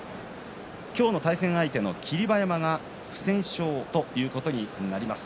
今日の対戦相手の霧馬山が不戦勝ということになります。